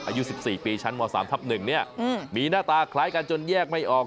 อายุ๑๔ปีชั้นม๓ทับ๑เนี่ยมีหน้าตาคล้ายกันจนแยกไม่ออก